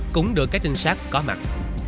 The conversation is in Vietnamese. cũng được các đình xác có mặt